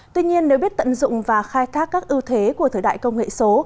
tuy nhiên nếu biết tận dụng và khai thác các ưu thế của thời đại công nghệ số